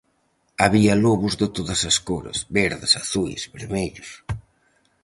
Había lobos de todas as cores: verdes, azuis, vermellos...